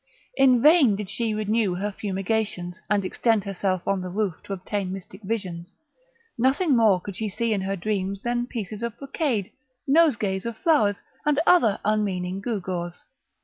In vain did she renew her fumigations, and extend herself on the roof to obtain mystic visions; nothing more could she see in her dreams than pieces of brocade, nosegays of flowers, and other unmeaning gewgaws.